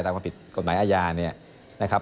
ความผิดกฎหมายอาญาเนี่ยนะครับ